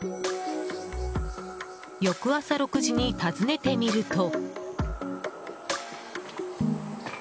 翌朝６時に、訪ねてみると。